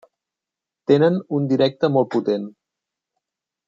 Tenen un directe molt potent.